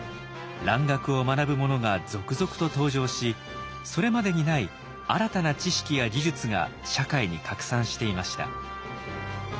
蘭学を学ぶ者が続々と登場しそれまでにない新たな知識や技術が社会に拡散していました。